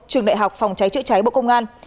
trường đại học phòng trái trợ trái bộ công an